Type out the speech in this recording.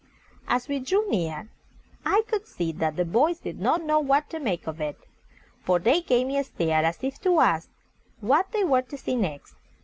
As we drew near I could see that the boys did not know what to make of it, for they gave me a stare, as if to ask what they were to see next.